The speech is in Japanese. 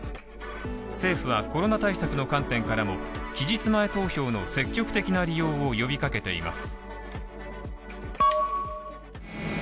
政府はコロナ対策の観点からも、期日前投票の積極的な利用を呼びかけています。